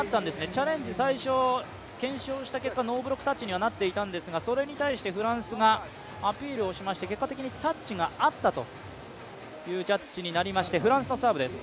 チャレンジ、最初検証をした結果ノーブロックタッチにはなっていたんですがそれに対してフランスがアピールをしまして結果的にタッチがあったというジャッジになりましてフランスのサーブです。